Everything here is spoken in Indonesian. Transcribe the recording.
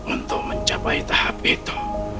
untuk mencapai tahap itu